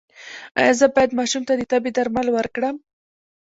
ایا زه باید ماشوم ته د تبې درمل ورکړم؟